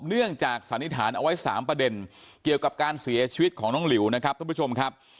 เนื่องจากสันนิษฐานเอาไว้๓ประเด็นเกี่ยวกับการเสียชีวิตของน้องหลิวนะครับท่านผู้ชมครับ